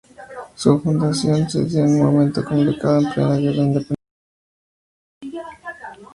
Su fundación se dio en un momento complicado, en plena guerra de independencia.